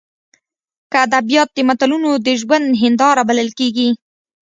که ادبیات د ملتونو د ژوند هینداره بلل کېږي.